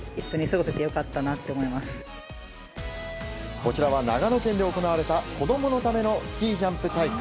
こちらは長野県で行われた子供のためのスキージャンプ大会。